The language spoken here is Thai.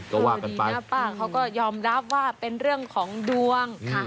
เขาก็ยอมรับว่าเป็นเรื่องของดวง